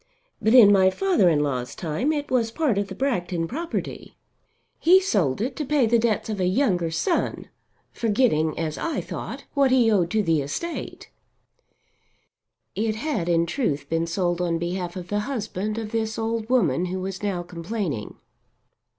But in my father in law's time it was part of the Bragton property. He sold it to pay the debts of a younger son, forgetting, as I thought, what he owed to the estate;" It had in truth been sold on behalf of the husband of this old woman who was now complaining.